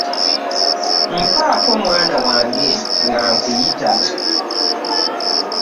Nfaako mwana wange nga nkuyita.